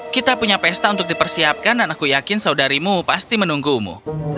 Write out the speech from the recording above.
kita punya pesta untuk dipersiapkan dan aku yakin saudarimu pasti menunggumu